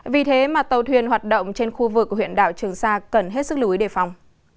vì thế mà tàu thuyền hoạt động trên khu vực của huyện đảo trường sa cần hết sức lưu ý đề phòng